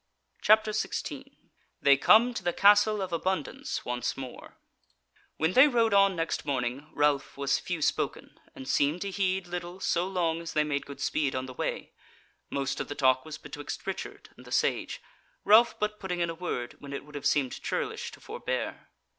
CHAPTER 16 They Come to the Castle of Abundance Once More When they rode on next morning Ralph was few spoken, and seemed to heed little so long as they made good speed on the way: most of the talk was betwixt Richard and the Sage, Ralph but putting in a word when it would have seemed churlish to forbear.